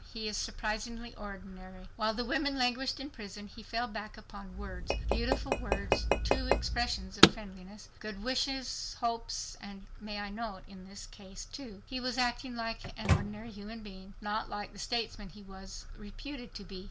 He is surprisingly ordinary. While the women languished in prison, he fell back upon words—beautiful words, too—expressions of friendliness, good wishes, hopes, and may I nots. In this, too, he was acting like an ordinary human being, not like the statesman he was reputed to be.